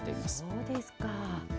そうですか。